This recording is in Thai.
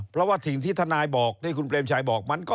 เพราะว่าถึงที่ทนายบอกที่คุณเบรมชายบอก